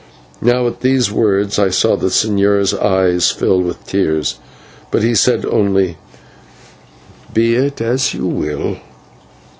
Now at these words I saw the señor's eyes fill with tears, but he said only: "Be it as you will."